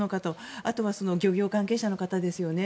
あとは漁業関係者の方ですよね。